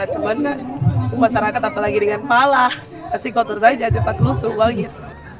cuman kan masyarakat apalagi dengan palah pasti kotor saja dapat lusuh uangnya